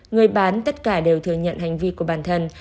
người bán tất cả đều thừa nhận hành vi của bản thân